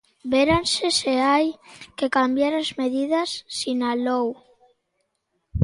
"Verase se hai que cambiar as medidas", sinalou.